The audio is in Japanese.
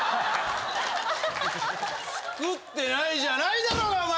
作ってないじゃないだろうがお前！